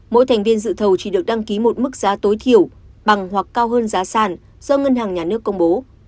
mỗi thành viên dự thầu chỉ được đăng ký một mức giá tối thiểu bằng hoặc cao hơn giá sản do ngân hàng nhà nước công bố